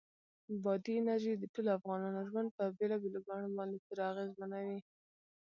بادي انرژي د ټولو افغانانو ژوند په بېلابېلو بڼو باندې پوره اغېزمنوي.